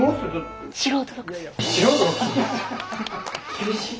厳しい。